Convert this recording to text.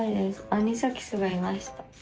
アニサキスがいました。